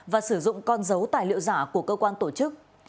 và sử dụng con dấu tài liệu giả của cơ quan tổ chức